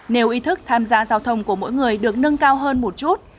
nếu ý thức tham gia giao thông của mỗi người được nâng cao hơn một chút